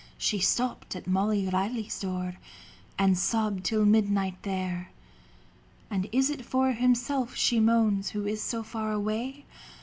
She stopped at Molly Reilly's door, And sobbed till midnight there. And is it for himself she moans. Who is so far away